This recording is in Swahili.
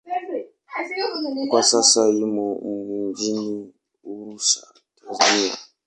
Kwa sasa imo mjini Arusha, Tanzania.